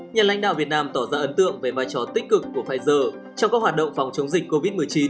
nhà lãnh đạo việt nam tỏ ra ấn tượng về vai trò tích cực của pfizer trong các hoạt động phòng chống dịch covid một mươi chín